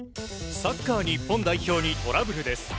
サッカー日本代表にトラブルです。